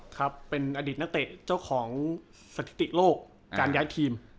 ครับเป็นอดีตนักเตะเจ้าของสถิติโลกการย้ายทีม